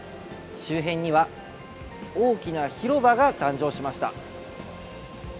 周辺には大きな広場が誕生しました。